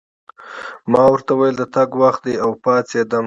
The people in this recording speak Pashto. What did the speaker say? ما ورته وویل: د تګ وخت دی، او پاڅېدم.